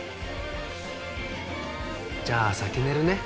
じゃあ先寝るね